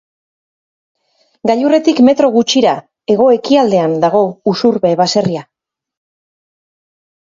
Gailurretik metro gutxira, hego-ekialdean, dago Usurbe baserria.